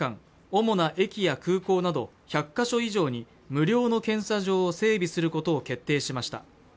主な駅や空港など１００か所以上に無料の検査場を整備することを決定しました